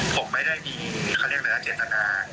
ผมไม่ได้มีเขาเรียกได้แล้วหลักเจตนา